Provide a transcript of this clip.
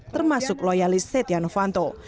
termasuk loyalis setia novanto